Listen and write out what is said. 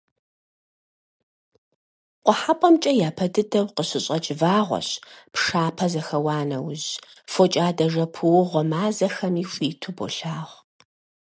КъухьэпӀэмкӀэ япэ дыдэу къыщыщӀэкӀ вагъуэщ, пшапэ зэхэуа нэужь, фокӀадэ-жэпуэгъуэ мазэхэми хуиту болъагъу.